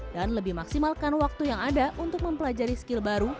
dan lebih maksimalkan waktu yang ada untuk mempelajari skill baru